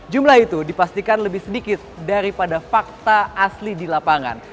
jumlah itu dipastikan lebih sedikit daripada fakta asli di lapangan